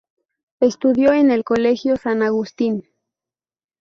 Estudió en el colegio San Agustín.